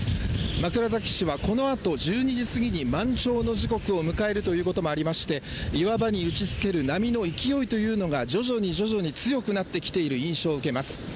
枕崎市はこのあと１２時過ぎに満潮の時刻を迎えるということもありまして、岩場に打ちつける波の勢いというのが、徐々に徐々に強くなってきている印象を受けます。